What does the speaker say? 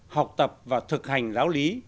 học tập và thực hành giáo lý